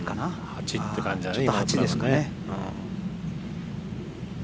８って感じだね。